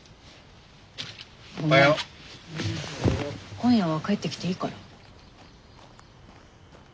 今夜は帰ってきていいから。